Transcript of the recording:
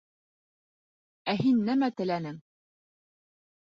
Ә һин нәмә теләнең?